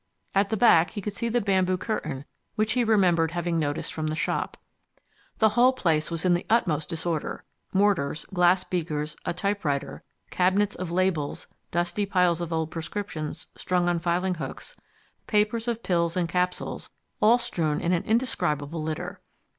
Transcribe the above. At the back he could see the bamboo curtain which he remembered having noticed from the shop. The whole place was in the utmost disorder: mortars, glass beakers, a typewriter, cabinets of labels, dusty piles of old prescriptions strung on filing hooks, papers of pills and capsules, all strewn in an indescribable litter.